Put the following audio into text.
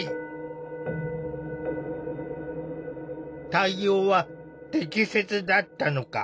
対応は適切だったのか？